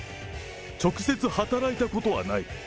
直接働いたことはない。